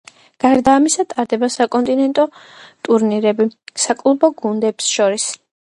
გარდა ამისა ტარდება საკონტინენტო ტურნირები საკლუბო გუნდებს შორის.